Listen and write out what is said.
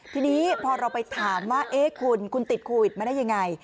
ทีนี้พอเราไปถามว่าเอ๊ะคุณคุณติดโควิดมาได้ยังไง